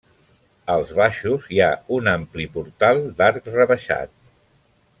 Als baixos hi ha un ampli portal d'arc rebaixat.